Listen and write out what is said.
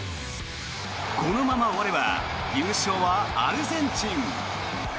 このまま終われば優勝はアルゼンチン。